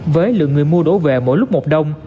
với lượng người mua đổ về mỗi lúc một đông